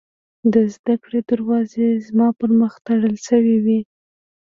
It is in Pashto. د زدکړې دروازې زما پر مخ تړل شوې وې